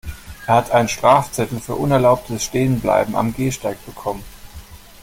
Er hat einen Strafzettel für unerlaubtes Stehenbleiben am Gehsteig bekommen.